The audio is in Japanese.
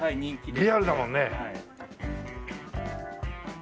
リアルだもんね。